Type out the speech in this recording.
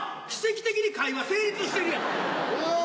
奇跡的に会話成立してるやん。